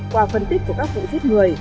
qua phân tích của các vụ giết người